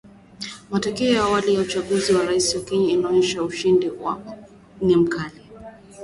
Matokeo ya awali ya uchaguzi wa rais Kenya yaonyesha ushindani ni mkali.